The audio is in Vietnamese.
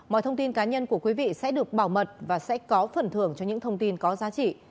mọi thông tin cá nhân của quý vị sẽ được bảo mật và sẽ có phần thưởng cho những thông tin có giá trị